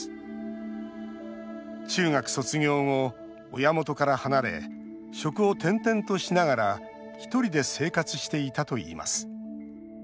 中学卒業後、親元から離れ職を転々としながら１人で生活していたといいます。